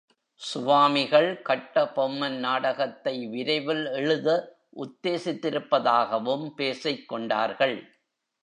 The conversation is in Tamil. சுவாமிகள் கட்டபொம்மன் நாடகத்தை விரைவில் எழுத உத்தேசித்திருப்பதாகவும் பேசிக் கொண்டார்கள்.